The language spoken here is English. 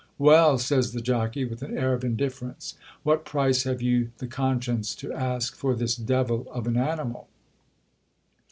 Well ! says the jockey, with an air of in difference, What price have you the conscience to ask for this devil of an ani mal